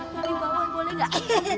katani bawang boleh gak